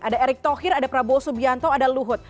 ada erick thohir ada prabowo subianto ada luhut